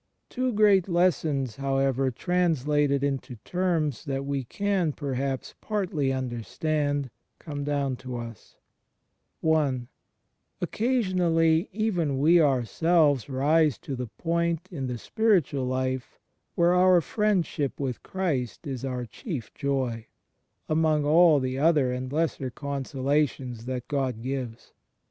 Two great lessons, however, translated into terms that we can, perhaps, partly imderstand, come down to us: (i) Occasionally even we ourselves rise to the point in the spiritual life where our Friendship with Christ is our chief joy, among all the other and lesser consola tions that God gives.